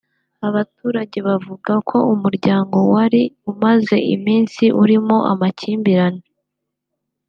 Abaturage bavuga ko umuryango wari umaze iminsi urimo amakimbirane